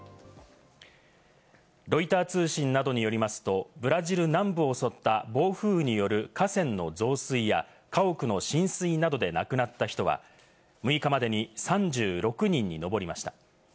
ロイター通信などによりますと、ブラジル南部を襲った暴風雨による河川の増水や家屋の浸水などで亡くなった人は６日までに３６人にのぼりました。